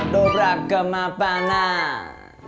dobrak ke mapanan